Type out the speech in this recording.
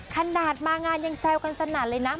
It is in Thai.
ขนาดมางานยังแซวกันสนั่นเลยนะ